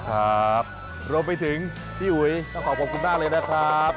ขอขอบคุณพี่กิมมากเลยนะครับ